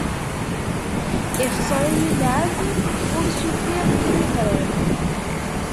Ixser-iyi llɛeb, ur s-ukiɣ mi trab.